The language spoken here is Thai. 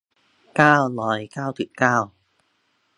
เก้าร้อยเก้าสิบเก้า